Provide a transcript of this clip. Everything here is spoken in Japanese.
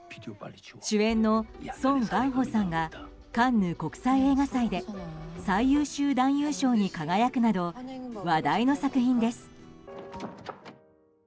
主演のソン・ガンホさんがカンヌ国際映画祭で最優秀男優賞に輝くなど話題の作品です。